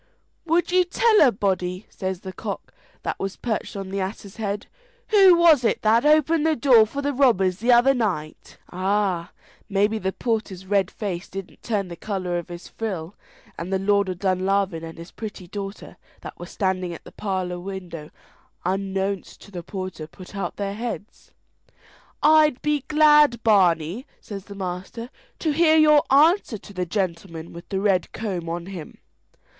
"Would you tell a body," says the cock that was perched on the ass's head, "who was it that opened the door for the robbers the other night?" Ah! maybe the porter's red face didn't turn the colour of his frill, and the Lord of Dunlavin and his pretty daughter, that were standing at the parlour window unknownst to the porter, put out their heads. "I'd be glad, Barney," says the master, "to hear your answer to the gentleman with the red comb on him."